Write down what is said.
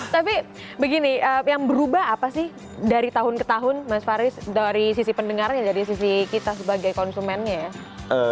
tapi begini yang berubah apa sih dari tahun ke tahun mas faris dari sisi pendengarnya dari sisi kita sebagai konsumennya ya